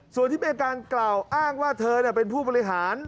ส่วนที่เป็นการกล่าวอ้างว่าเธอเป็นผู้บริหาร